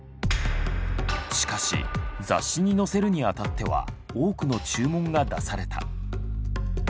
しかし雑誌に載せるにあたっては多くの注文が出された。